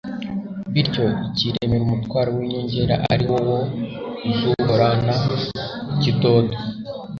bityo ikiremera umutwaro w'inyongera, ari wo wo zuhorana ikidodo.